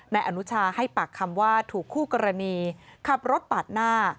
นายอนุชาให้ปากคำว่าถูกคู่กรณีขับรถปาดหน้า